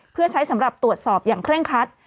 เพื่อใช้สำหรับตรวจสอบอย่างเคร่งคัด